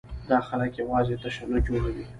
دا خلک یوازې تشنج جوړوي.